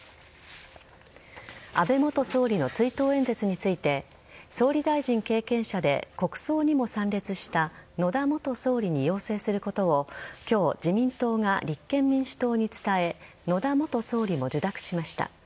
安倍元総理の追悼演説について総理大臣経験者で国葬にも参列した野田元総理に要請することを今日、自民党が立憲民主党に伝え野田元総理も受諾しました。